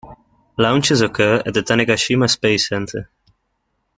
Launches occur at the Tanegashima Space Center.